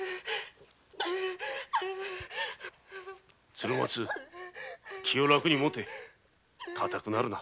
鶴松気を楽にもて固くなるな。